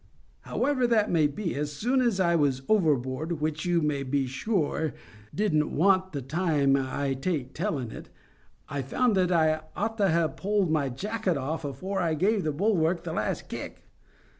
However that may be, as soon as I was overboard, which you may be sure didn't want the time I take tellin' of it, I found that I ought to ha' pulled my jacket off afore I gave the bulwark the last kick.